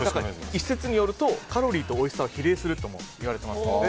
一説によるとカロリーとおいしさは比例するともいわれておりますので。